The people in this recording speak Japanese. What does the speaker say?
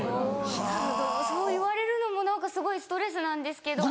そう言われるのも何かすごいストレスなんですけど。